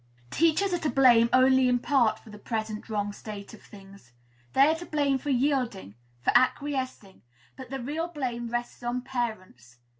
Teachers are to blame only in part for the present wrong state of things. They are to blame for yielding, for acquiescing; but the real blame rests on parents.